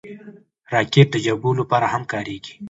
راکټ د جګړو لپاره هم کارېږي